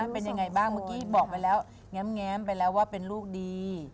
เป็นยังไงบ้างเมื่อกี้บอกไปแล้วแง้มไปแล้วว่าเป็นลูกดี